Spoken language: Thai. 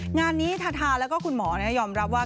งานนี้ทาทาแล้วก็คุณหมอยอมรับว่า